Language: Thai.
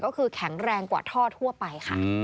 ก็คือแข็งแรงกว่าท่อทั่วไปค่ะ